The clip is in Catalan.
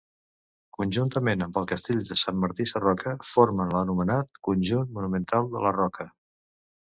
Conjuntament amb el castell de Sant Martí Sarroca formen l'anomenat Conjunt monumental de la Roca.